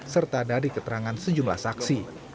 serta dari keterangan sejumlah saksi